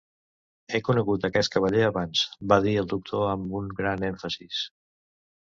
"He conegut aquest cavaller abans" va dir el doctor amb un gran èmfasis.